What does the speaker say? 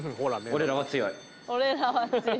俺らは強い。